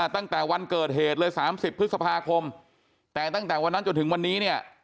ตั้งแต่วันเกิดเหตุเลย๓๐พฤษภาคมแต่ตั้งแต่วันนั้นจนถึงวันนี้เนี่ย